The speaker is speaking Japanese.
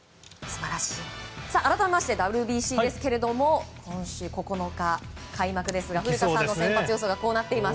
改めて、ＷＢＣですが今週９日、開幕ですが古田さんの先発予想はこうなっています。